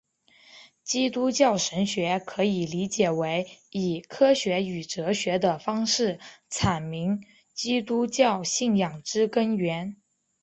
基督教神学可以理解为以科学与哲学的方式阐明基督教信仰之根源。